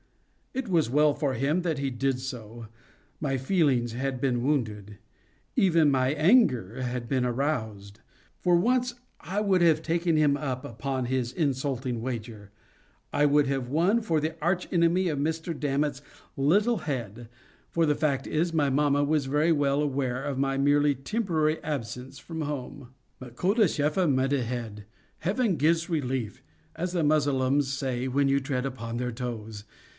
It was well for him that he did so. My feelings had been wounded. Even my anger had been aroused. For once I would have taken him up upon his insulting wager. I would have won for the Arch Enemy Mr. Dammit's little head—for the fact is, my mamma was very well aware of my merely temporary absence from home. But Khoda shefa midêhed—Heaven gives relief—as the Mussulmans say when you tread upon their toes.